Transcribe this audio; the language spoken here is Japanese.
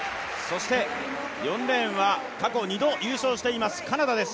４レーンは過去２度優勝しています、カナダです。